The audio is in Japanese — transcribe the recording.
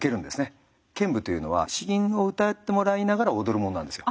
剣舞というのは詩吟をうたってもらいながら踊るもんなんですよ。